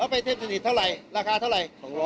ไปเทพสนิทเท่าไหร่ราคาเท่าไหร่